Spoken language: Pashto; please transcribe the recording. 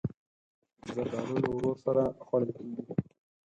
زردالو له ورور سره خوړل کېږي.